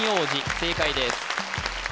正解です